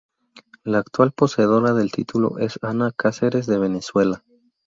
La actual poseedora del título es Ana Cáceres de Venezuela.